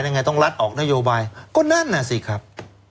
ยังไงต้องรัฐออกนโยบายก็นั่นน่ะสิครับ